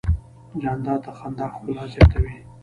جانداد د خندا ښکلا زیاتوي.